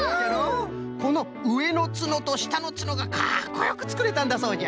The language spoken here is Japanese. このうえのツノとしたのツノがかっこよくつくれたんだそうじゃ。